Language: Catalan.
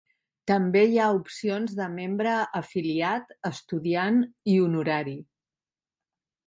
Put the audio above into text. També hi ha opcions de membre afiliat, estudiant i honorari.